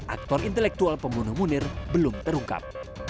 aktor intelektual pembunuh munir belum terungkap